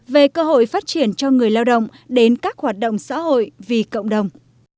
về cơ hội phát triển cho người lao động đến các hoạt động xã hội vì cộng đồng